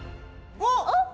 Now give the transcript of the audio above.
あっ！